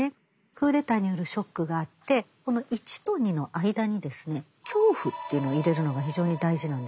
クーデターによるショックがあってこの１と２の間にですね「恐怖」というのを入れるのが非常に大事なんですね。